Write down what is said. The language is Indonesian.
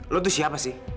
kau itu siapa sih